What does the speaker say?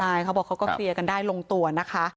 ใช่เขาบอกเขาก็เคลียร์กันได้ลงตัวนะคะ